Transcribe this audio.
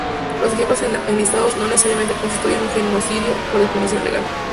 Los ejemplos enlistados no necesariamente constituyen un genocidio por definición legal.